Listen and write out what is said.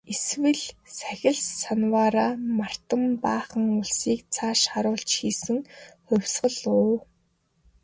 Эсвэл сахил санваараа мартан баахан улсыг цааш харуулж хийсэн хувьсгал уу?